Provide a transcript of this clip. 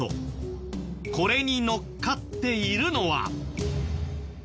これにのっかっているのは。